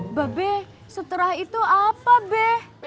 mbak be setelah itu apa be